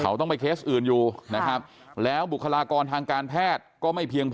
เขาต้องไปเคสอื่นอยู่นะครับแล้วบุคลากรทางการแพทย์ก็ไม่เพียงพอ